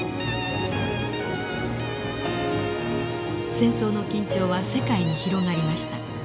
戦争の緊張は世界に広がりました。